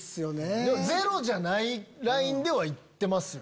でもゼロじゃないラインでは言ってますよ。